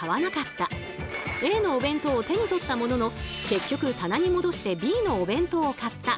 Ａのお弁当を手に取ったものの結局棚に戻してＢのお弁当を買った。